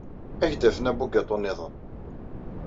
Ad ak-d-afen abugaṭu niḍen.